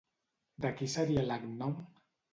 De qui seria l'agnom?